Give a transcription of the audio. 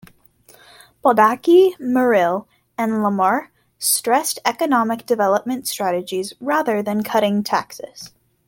Baldacci, Merrill and LaMarche stressed economic development strategies rather than cutting taxes.